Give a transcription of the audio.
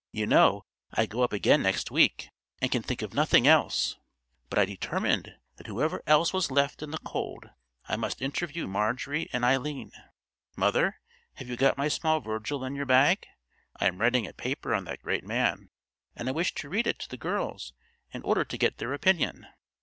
You know I go up again next week, and can think of nothing else. But I determined that whoever else was left in the cold, I must interview Marjorie and Eileen. Mother, have you got my small Virgil in your bag? I am writing a paper on that great man, and I wish to read it to the girls in order to get their opinion."